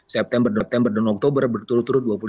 september september dan oktober berturut turut